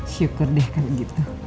syukur deh kalau gitu